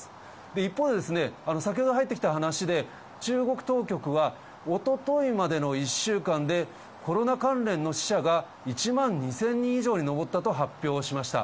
一方で、先ほど入ってきた話で、中国当局は、おとといまでの１週間で、コロナ関連の死者が１万２０００人以上に上ったと発表しました。